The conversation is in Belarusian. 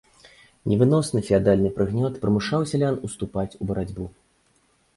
Невыносны феадальны прыгнёт прымушаў сялян ўступаць у барацьбу.